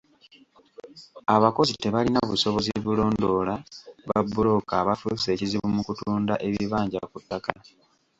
Abakozi tebalina busobozi bulondoola babbulooka abafuuse ekizibu mu kutunda ebibanja ku ttaka.